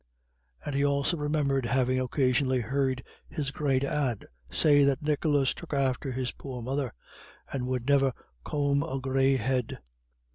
And he also remembered having occasionally heard his great aunt say that Nicholas took after his poor mother, and would never comb a grey head.